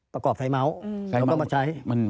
ประกอบไซมัลเรามาใช้